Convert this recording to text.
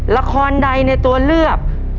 ละครใดในตัวเลือก